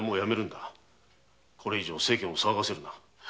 これ以上世間を騒がせるな。